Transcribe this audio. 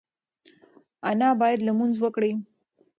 انا باید لمونځ وکړي.